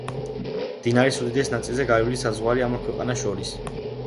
მდინარის უდიდეს ნაწილზე გაივლის საზღვარი ამ ორ ქვეყანას შორის.